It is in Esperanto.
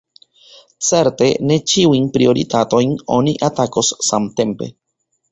Certe ne ĉiujn prioritatojn oni atakos samtempe.